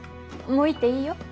もう行っていいよ。